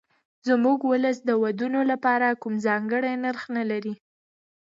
زموږ ولس د ودونو لپاره کوم ځانګړی نرخ نه لري.